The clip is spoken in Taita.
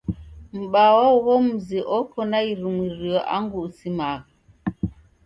M'baa wa ugho mzi oko na irumirio angu usimagha.